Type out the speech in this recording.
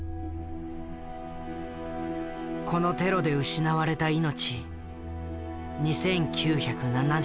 このテロで失われた命２９７３。